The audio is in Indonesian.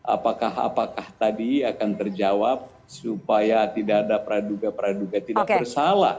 apakah apakah tadi akan terjawab supaya tidak ada praduga praduga tidak bersalah